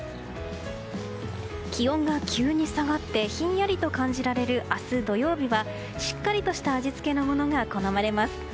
気温が急に下がってひんやりと感じられる明日、土曜日はしっかりとした味付けのものが好まれます。